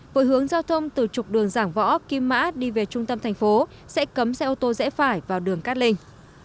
với hướng giao thông từ trục đường giảng võ kim mã đi về trung tâm thành phố sẽ cấm xe ô tô rẽ phải vào đường cát linh